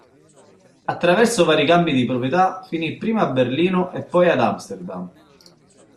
Attraverso vari cambi di proprietà finì prima a Berlino e poi ad Amsterdam.